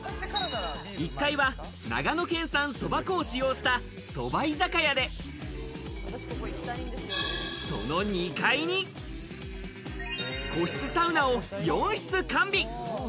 １階は長野県産そば粉を使用したそば居酒屋で、その２階に、個室サウナを４室完備。